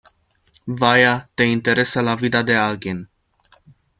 vaya, te interesa la vida de alguien.